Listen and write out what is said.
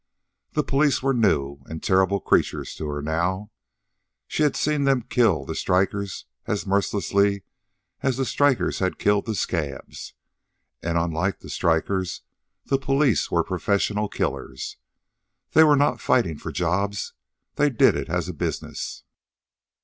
The police were new and terrible creatures to her now. She had seen them kill the strikers as mercilessly as the strikers had killed the scabs. And, unlike the strikers, the police were professional killers. They were not fighting for jobs. They did it as a business.